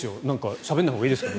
しゃべらないほうがいいですか？